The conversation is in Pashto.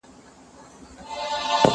زه کولای سم ښوونځی ته لاړ شم!؟